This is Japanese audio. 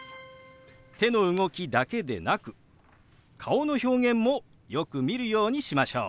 手の動きだけでなく顔の表現もよく見るようにしましょう。